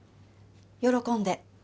喜んで。